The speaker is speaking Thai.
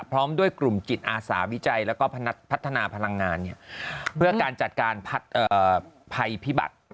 พร้อมด้วยกลุ่มจิตอาสาวิจัยแล้วก็พัฒนาพลังงานเพื่อการจัดการภัยพิบัติ